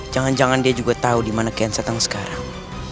jangan jangan dia juga tahu dimana kian santang sekarang